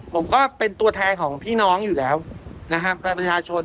ผมก็เป็นตัวแทนของพี่น้องอยู่แล้วนะครับกับประชาชน